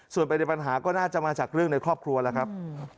ส่วนประเด็นปัญหาก็น่าจะมาจากเรื่องในครอบครัวแล้วครับ